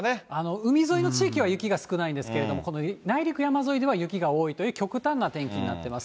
海沿いの地域は雪が少ないんですけれども、この内陸、山沿いでは雪が多いという極端な天気になっています。